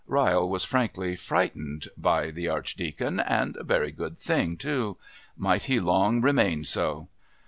Ryle was frankly frightened by the Archdeacon, and a very good thing too! Might he long remain so!